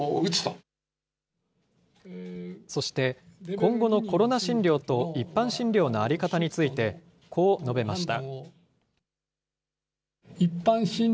今後のコロナ診療と一般診療の在り方について、こう述べました。